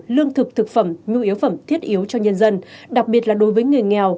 lương thực thực phẩm nhu yếu phẩm thiết yếu cho nhân dân đặc biệt là đối với người nghèo